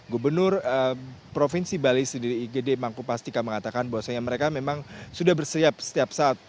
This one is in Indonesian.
gubernur provinsi bali sendiri igd mangku pastika mengatakan bahwasanya mereka memang sudah bersiap setiap saat